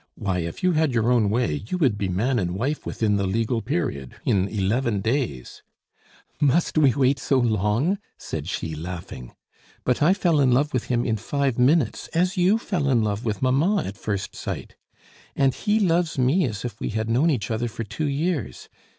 "Why, if you had your own way, you would be man and wife within the legal period in eleven days " "Must we wait so long?" said she, laughing. "But I fell in love with him in five minutes, as you fell in love with mamma at first sight. And he loves me as if we had known each other for two years.